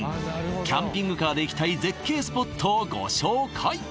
キャンピングカーで行きたい絶景スポットをご紹介